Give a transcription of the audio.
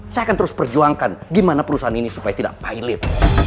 saya akan terus perjuangkan gimana perusahaan ini supaya tidak pilot